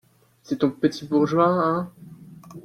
C'est ton petit bourgeois, hein?